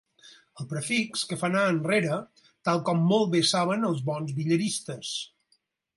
El prefix que fa anar enrere, tal com molt bé saben els bons billaristes.